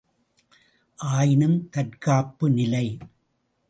ஆயினும் தற்காப்பு நிலை.